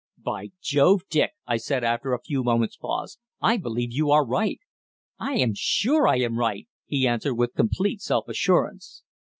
"By Jove, Dick," I said after a few moments' pause, "I believe you are right!" "I am sure I am," he answered with complete self assurance.